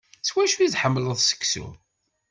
S wacu i tḥemmleḍ seksu?